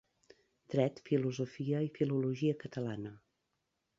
Dret, Filosofia i Filologia Catalana.